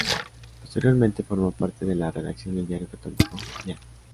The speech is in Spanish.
Posteriormente formó parte de la redacción del diario católico "Ya".